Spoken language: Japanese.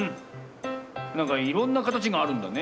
なんかいろんなかたちがあるんだね。